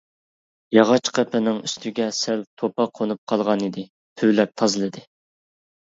ياغاچ قېپىنىڭ ئۈستىگە سەل توپا قونۇپ قالغانىدى، پۈۋلەپ تازىلىدى.